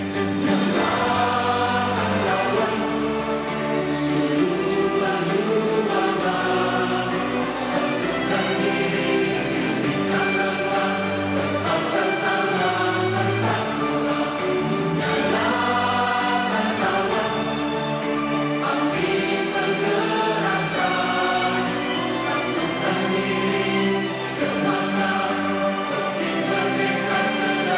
kita telah sepakat bersatu bersatu dalam satu rampa parisan